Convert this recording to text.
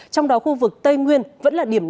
trong đó khu vực tây nguyên vẫn là điểm nóng